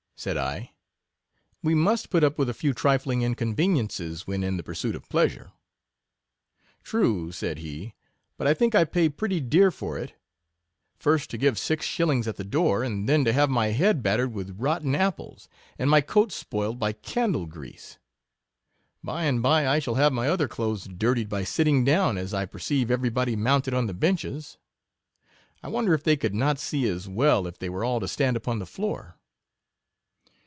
said I; w r e must put up with a few trifling inconveniences, when in the pursuit of pleasure. True, said he; but I think I pay pretty dear for it; — first to give six shillings at the door, and then to have my head battered with rotten apples, and my coat spoiled by candle grease; by and by I shall have my other clothes dirtied by sitting down, as 1 perceive every body mounted on the benches. I wonder if they could not see as well if they were all to stand upon the floor.